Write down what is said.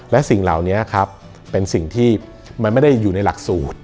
และสิ่งเหล่านี้ครับเป็นสิ่งที่มันไม่ได้อยู่ในหลักสูตร